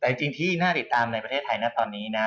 แต่จริงที่น่าติดตามในประเทศไทยนะตอนนี้นะ